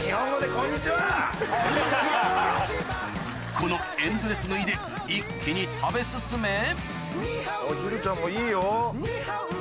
このエンドレス食いで一気に食べ進めひるちゃんもいいよ。